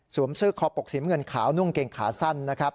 เสื้อคอปกสีมเงินขาวนุ่งเกงขาสั้นนะครับ